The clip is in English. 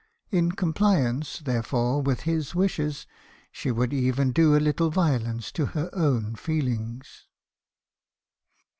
In compliance , therefore , with his wishes , she would even do a little violence to her own feelings.